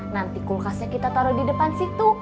nanti kulkasnya kita taruh di depan situ